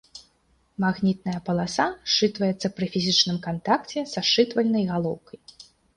Магнітная паласа счытваецца пры фізічным кантакце са счытвальнай галоўкай.